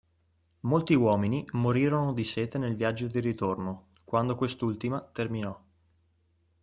Molti uomini morirono di sete nel viaggio di ritorno quando quest'ultima terminò.